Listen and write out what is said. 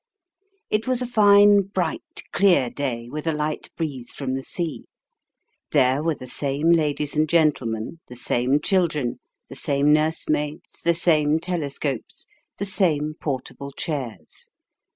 It was a fine, bright, clear day, with a light breeze from the sea. There were the same ladies and gentlemen, the same children, the same nursemaids, the same telescopes, the same portable chairs.